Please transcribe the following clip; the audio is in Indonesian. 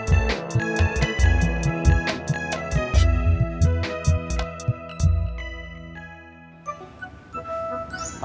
gak ada perhiasan